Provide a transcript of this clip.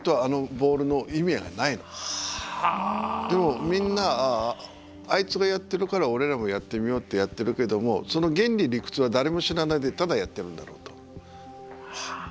でもみんなあいつがやってるから俺らもやってみようってやってるけどもその原理理屈は誰も知らないでただやってるんだろうと。